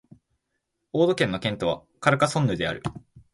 オード県の県都はカルカソンヌである